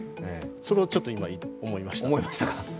それをちょっと今、思いました。